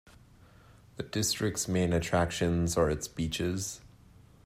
The district's main attractions are its beaches.